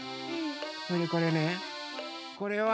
それでこれねこれは。